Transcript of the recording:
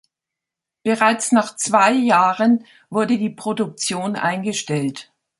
Bereits nach zwei Jahren wurde die Produktion eingestellt.